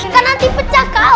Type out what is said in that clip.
kan nanti pecah kau